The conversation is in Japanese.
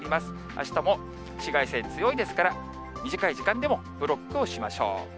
あしたも紫外線、強いですから、短い時間でもブロックをしましょう。